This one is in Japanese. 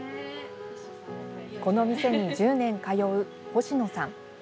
この店に１０年通う星野さん。